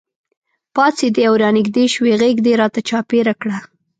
پاڅېدې او رانږدې شوې غېږ دې راته چاپېره کړه.